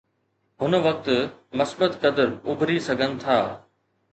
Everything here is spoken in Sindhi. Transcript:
هن وقت مثبت قدر اڀري سگهن ٿا.